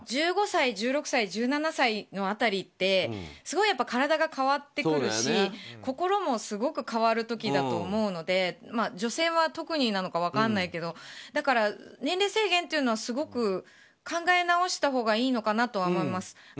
１５歳、１６歳１７歳の辺りってすごい体が変わってくるし心もすごく変わる時だと思うので女性は特になのか分からないけど年齢制限というのはすごく考え直したほうがいいのかなとは思います。